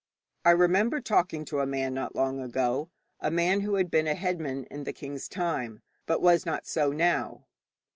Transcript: I remember talking to a man not long ago a man who had been a headman in the king's time, but was not so now.